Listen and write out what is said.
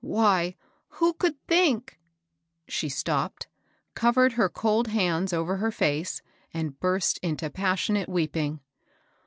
why, who could think" — She stopped, covered her cold hands over her face, and burst into passionate weeping.